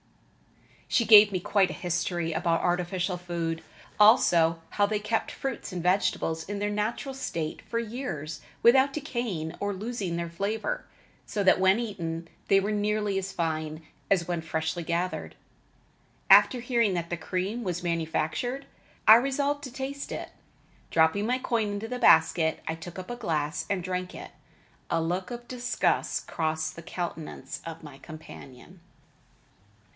She gave me quite a history about artificial food, also how they kept fruits and vegetables in their natural state for years without decaying or losing their flavor, so that when eaten they were nearly as fine as when freshly gathered. After hearing that the cream was manufactured, I resolved to taste it. Dropping my coin into the basket, I took up a glass and drank it. A look of disgust crossed the countenance of my companion.